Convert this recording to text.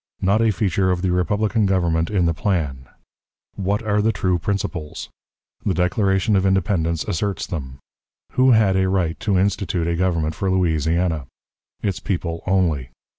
Not a Feature of the Republican Government in the Plan. What are the True Principles? The Declaration of Independence asserts them. Who had a Right to institute a Government for Louisiana? Its People only.